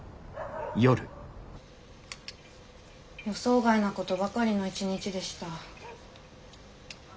予想外なことばかりの一日でした。